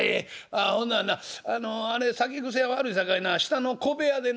ほんならなあれ酒癖悪いさかいな下の小部屋でな